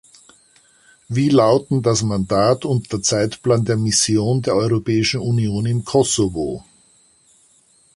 Wie lauten das Mandat und der Zeitplan der Mission der Europäischen Union im Kosovo?